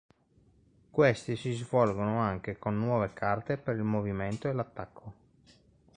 Questi si svolgono anche con nuove carte per il movimento e l'attacco.